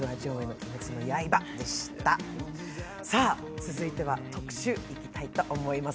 続いては特集、いきたいと思います。